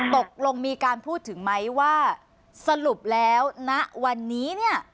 ตกลงมีการพูดถึงไหมว่าสรุปแล้วณวันนี้เนี่ย